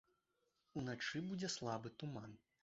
Уначы будзе слабы туман.